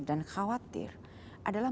dan khawatir adalah